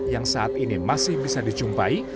yang saat ini masih bisa dijumpai